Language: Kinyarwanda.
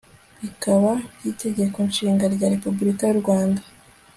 ibika by'itegeko nshinga rya republika y'u rwanda